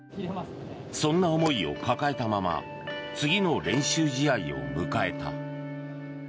そんな思いを抱えたまま次の練習試合を迎えた。